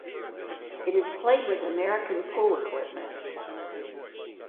It is played with typical American pool equipment.